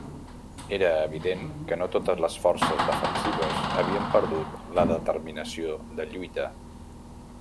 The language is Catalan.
Era evident que no totes les forces defensives havien perdut la determinació de lluita.